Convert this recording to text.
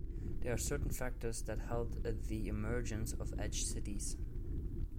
There are certain factors that helped the emergence of edge cities.